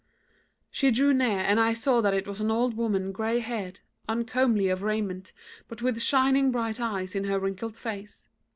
"She drew near and I saw that it was an old woman grey haired, uncomely of raiment, but with shining bright eyes in her wrinkled face.